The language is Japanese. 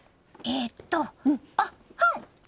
えっとおっほん！